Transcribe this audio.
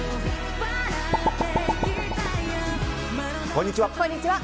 こんにちは。